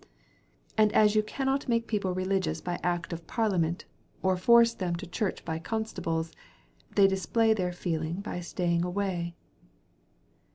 And as you cannot make people religious by Act of Parliament, or force them to church by constables, they display their feeling by staying away.